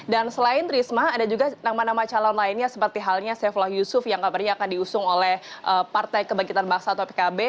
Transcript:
dan selain risma ada juga nama nama calon lainnya seperti halnya seflah yusuf yang kabarnya akan diusung oleh partai kebangkitan bahasa atau pkb